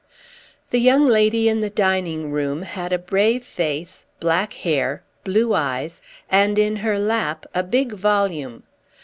The young lady in the dining room had a brave face, black hair, blue eyes, and in her lap a big volume.